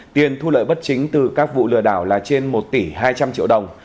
tiền thu lợi bất chính từ các vụ lừa đảo là trên một tỷ hai trăm linh triệu đồng